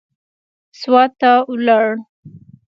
سوات ته ولاړ.